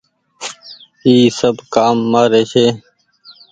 اي سب ڪآم مآري ڇي۔